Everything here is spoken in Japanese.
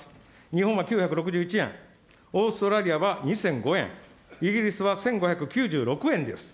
日本は９６１円、オーストラリアは２００５円、イギリスは１５９６円です。